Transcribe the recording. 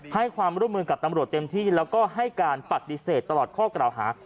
ให้ความร่วมมือกับตำรวจเต็มที่แล้วก็ให้การปฏิเสธตลอดข้อกล่าวหา